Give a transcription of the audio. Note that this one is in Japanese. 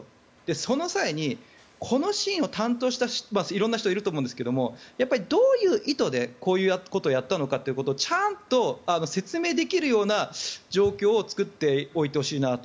その際にこのシーンを担当した色んな人がいると思いますがどういう意図で、こういうことをやったのかということをちゃんと説明できるような状況を作っておいてほしいなと。